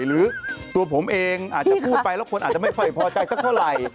หรือตัวผมเองอาจจะพูดไปแล้วคนอาจจะไม่ค่อยพอใจสักเท่าไหร่